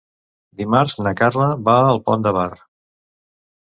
Dimarts na Carla va al Pont de Bar.